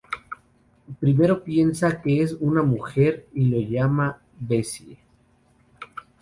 Primero piensa que es una mujer y lo llama "Bessie".